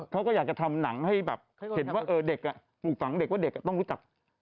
เขาก็อยากจะทำหนังให้แบบเห็นว่าเด็กปลูกฝังเด็กว่าเด็กต้องรู้จัก